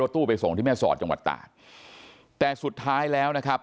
ที่แม่สอดจังหวัดต่างแต่สุดท้ายแล้วนะครับ